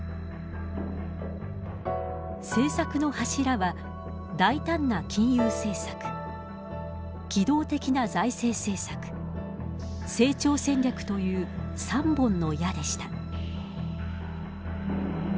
政策の柱は、大胆な金融政策機動的な財政政策成長戦略という、３本の矢でした。